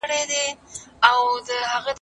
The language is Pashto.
زه به سبا د لوبو لپاره وخت نيسم وم!.